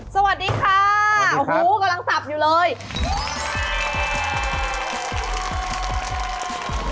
สวัสดีค่ะโอ้โหกำลังสับอยู่เลยสวัสดีค่ะสวัสดีค่ะ